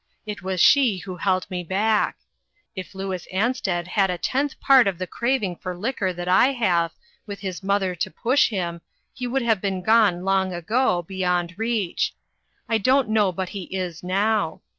It was she who held me back. If Louis Ansted had a tenth part of the craving for liquor that I have, with his mother to push him, he would have been gone long ago, beyond reach. I don't know but he is now.